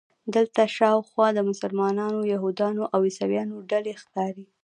دلته شاوخوا د مسلمانانو، یهودانو او عیسویانو ډلې ښکاري.